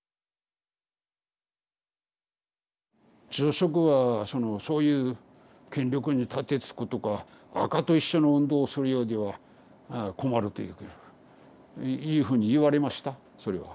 住職はそのそういう権力に盾つくとかアカと一緒の運動をするようでは困るといういうふうに言われましたそれは。